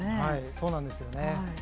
そうなんですよね。